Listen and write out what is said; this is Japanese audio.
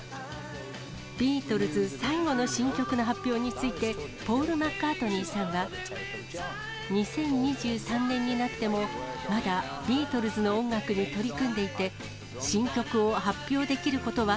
ビートルズ最後の新曲の発表について、ポール・マッカートニーさんは、２０２３年になっても、まだビートルズの音楽に取り組んでいて、新曲を発表できることは、